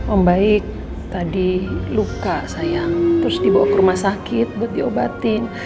membaik tadi luka sayang terus dibawa ke rumah sakit buat diobatin